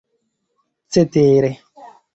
cetere